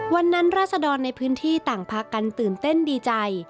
วันนั้นราษฎรในพื้นที่ต่างพักกันตื่นเต้นดีใจ